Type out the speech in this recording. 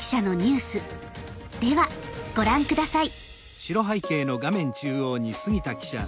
ではご覧下さい。